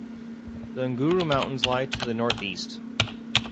The Nguru Mountains lie to the northeast.